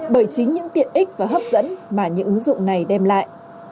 bởi chính những tiện ích và hấp dẫn mà những ứng dụng này đem lại